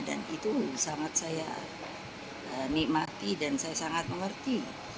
dan itu sangat saya nikmati dan saya sangat mengerti